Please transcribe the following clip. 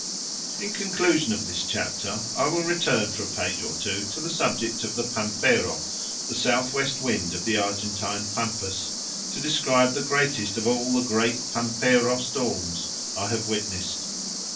In conclusion of this chapter I will return for a page or two to the subject of the pampero, the south west wind of the Argentine pampas, to describe the greatest of all the great pampero storms I have witnessed.